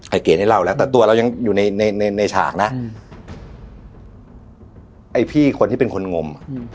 ไอ้เก๋ได้เล่าแล้วแต่ตัวเรายังอยู่ในในในในฉากน่ะอืมไอ้พี่คนที่เป็นคนงมอืม